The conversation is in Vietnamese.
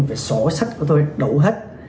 về sổ sách của tôi đủ hết